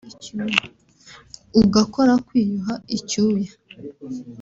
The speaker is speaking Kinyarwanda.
ugakora kwiyuha icyuya